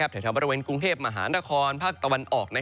แถวบริเวณกรุงเทพมหานครภาคตะวันออก